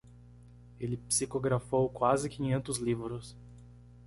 Ele psicografou quase quinhentos livros.